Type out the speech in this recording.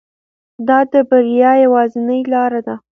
دا د بریا یوازینۍ لاره ده.